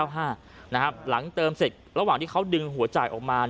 หลังเติมเสร็จระหว่างที่เขาดึงหัวจ่ายออกมา